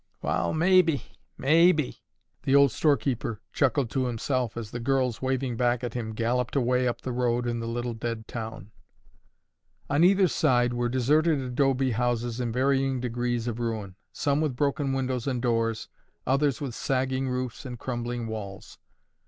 "Wall, mabbe! mabbe!" the old storekeeper chuckled to himself as the girls, waving back at him, galloped away up the road in the little dead town. On either side there were deserted adobe houses in varying degrees of ruin, some with broken windows and doors, others with sagging roofs and crumbling walls.